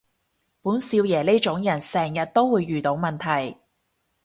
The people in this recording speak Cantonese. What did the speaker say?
本少爺呢種人成日都會遇到問題